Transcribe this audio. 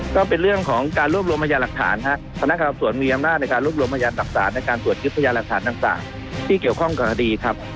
ก็เป็นเรื่องของการรวบรวมอายัดหลักฐานครับธนาคารส่วนมีอำหน้าในการรวบรวมอายัดหลักฐานในการสวดคิดพยายามหลักฐานทั้งสามที่เกี่ยวข้องกับคดีครับ